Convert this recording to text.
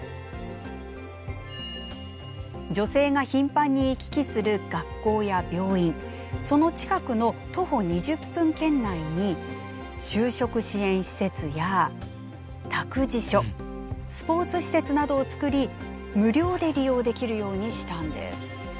女性が頻繁に行き来する学校や病院その近くの徒歩２０分圏内に就職支援施設や託児所スポーツ施設などを造り無料で利用できるようにしたんです。